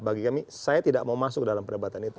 bagi kami saya tidak mau masuk dalam perdebatan itu